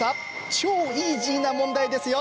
超イージーな問題ですよ！